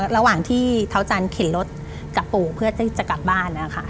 ระหว่างที่เท้าจันเข็นรถกลับปู่เพื่อจะกลับบ้าน